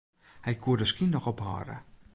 Hy koe de skyn noch ophâlde.